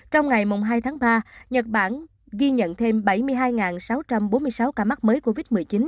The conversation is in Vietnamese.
trong ngày hai tháng ba nhật bản ghi nhận thêm bảy mươi hai sáu trăm bốn mươi sáu ca mắc mới covid một mươi chín